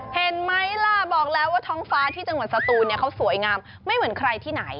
เห็นไหมล่ะบอกแล้วว่าท้องฟ้าที่จังหวัดสตูนเขาสวยงามไม่เหมือนใครที่ไหน